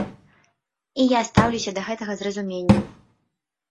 І я стаўлюся да гэтага з разуменнем.